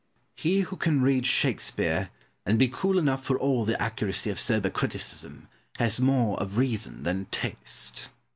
Pope. He who can read Shakespeare, and be cool enough for all the accuracy of sober criticism, has more of reason than taste.